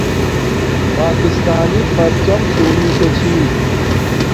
پاکستانی پرچم شونیکا چھی